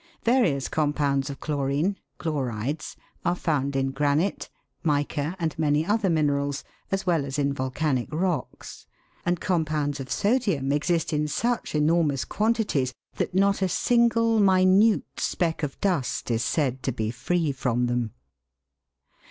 Various compounds of chlorine (chlorides) are found in granite, mica, and many other minerals, as well as in volcanic rocks; and compounds of sodium exist in such enormous quantities that not a single minute speck of dust is said to be free from them.